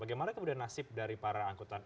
bagaimana kemudian nasib dari para angkutan